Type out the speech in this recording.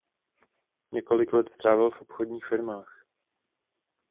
Několik let strávil v obchodních firmách.